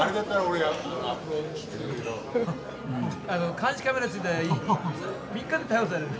監視カメラついてたら３日で逮捕されるで。